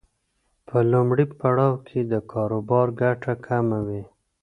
په لومړي پړاو کې د کاروبار ګټه کمه وي.